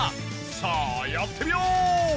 さあやってみよう！